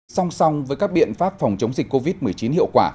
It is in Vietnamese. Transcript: song song với các biện pháp phòng chống dịch covid một mươi chín hiệu quả